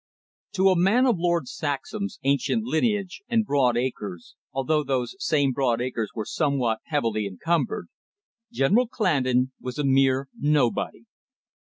To a man of Lord Saxham's ancient lineage and broad acres, although those same broad acres were somewhat heavily encumbered, General Clandon was a mere nobody.